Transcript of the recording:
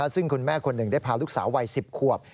ซึ่งคุณแม่คนหนึ่งได้พาลูกสาววัย๑๐ขวบ